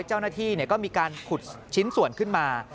เจ้าหน้าที่ก็มีการขุดชิ้นส่วนขึ้นมา